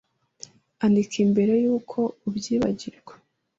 Andika mbere yuko ubyibagirwa.